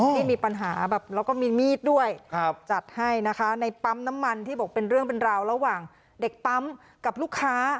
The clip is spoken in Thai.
ที่มีปัญหาแบบแล้วก็มีมีดด้วยจัดให้นะคะในปั๊มน้ำมันที่บอกเป็นเรื่องเป็นราวระหว่างเด็กปั๊มกับลูกค้า